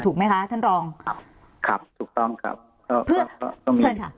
เอาถึงทางถูกไหมคะท่านรองครับถูกต้องครับเพื่อข้าขอขอไหม